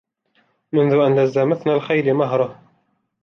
منذ أن لز مثنى الخيل مهره